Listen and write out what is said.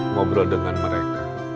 ngobrol dengan mereka